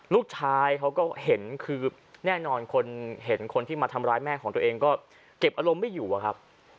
ลูกชายเขาก็เห็นคือแน่นอนคนเห็นคนที่มาทำร้ายแม่ของตัวเองก็เก็บอารมณ์ไม่อยู่อะครับ